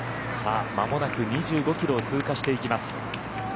間もなく２５キロを通過していきます。